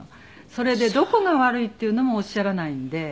それでどこが悪いっていうのもおっしゃらないんで。